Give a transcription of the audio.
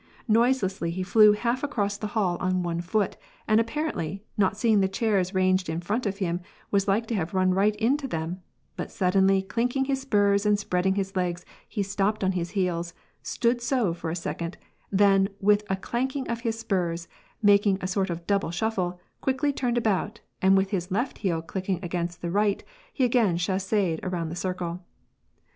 Noiselessly, he flew half across the hall on one foot, and, apparently, not seeing the chairs ranged in front of him was like to have run right into them ; but suddenly clinking his spurs and spread ing his legs, he stopped on his heels, stood so for a second, then with a clanking of his spurs, making a soi t of double shuffle, quickly tinned about, and with his left heel clicking against the right, ne again chasseed around the circle.